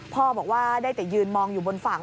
พ่อบอกว่าได้แต่ยืนมองอยู่บนฝั่ง